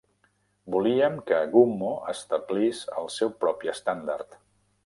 Volíem que "Gummo" establís el seu propi estàndard.